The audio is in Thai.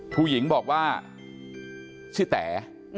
ผู้หญิงบอกว่าชื่อแต๋